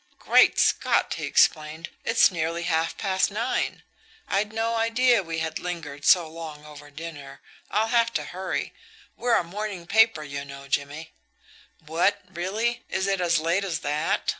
"Great Scott!" he exclaimed. "It's nearly half past nine. I'd no idea we had lingered so long over dinner. I'll have to hurry; we're a morning paper, you know, Jimmie." "What! Really! Is it as late as that."